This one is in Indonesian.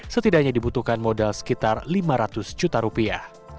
setidaknya dibutuhkan modal sekitar lima ratus juta rupiah